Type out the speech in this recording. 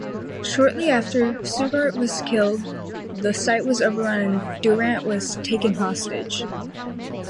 Shortly after, Shughart was killed, the site was overrun and Durant was taken hostage.